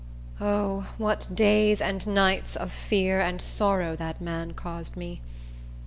O, what days and nights of fear and sorrow that man caused me!